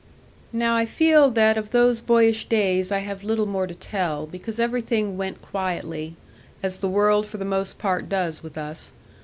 Now I feel that of those boyish days I have little more to tell, because everything went quietly, as the world for the most part does with us.